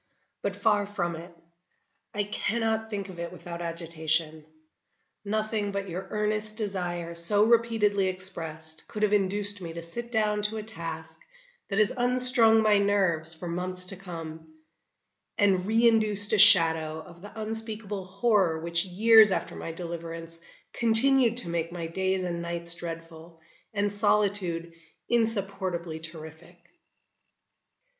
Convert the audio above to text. But far from it; I cannot think of it without agitation. Nothing but your earnest desire so repeatedly expressed, could have induced me to sit down to a task that has unstrung my nerves for months to come, and reinduced a shadow of the unspeakable horror which years after my deliverance continued to make my days and nights dreadful, and solitude insupportably terrific.